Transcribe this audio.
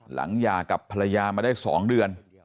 หย่ากับภรรยามาได้๒เดือน